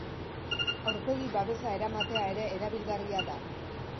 Aurpegi-babesa eramatea ere erabilgarria da.